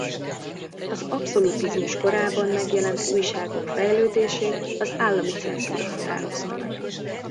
Az abszolutizmus korában megjelent újságok fejlődését az állami cenzúra határozta meg.